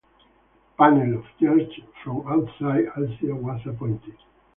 A panel of judges from outside Asia was appointed.